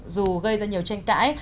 dù gây ra nhiều tranh cãi